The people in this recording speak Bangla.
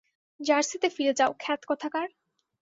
জার্সিতে ফিরে যাও, ক্ষ্যাত কোথাকার।